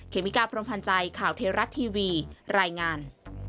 เคมิการ์พร้อมพันธ์ใจข่าวเทราะต์ทีวีรายงาน